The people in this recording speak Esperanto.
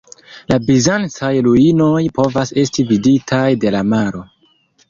La bizancaj ruinoj povas esti viditaj de la maro.